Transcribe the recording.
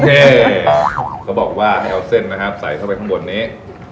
โอเคก็บอกว่าเอาเส้นใส่เข้าไปทั้งบนนี้